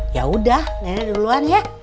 yaudah nenek duluan ya